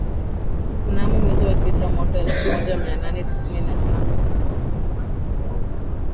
Mnamo mwezi wa tisa mwaka elfu moja mia nane tisini na tano